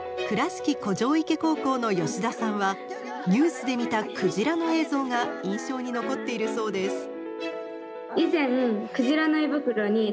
倉敷古城池高校の吉田さんはニュースで見たクジラの映像が印象に残っているそうです。